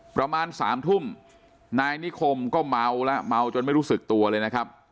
ประมาณสามทุ่มนายนิคมก็เมาแล้วเมาจนไม่รู้สึกตัวเลยนะครับ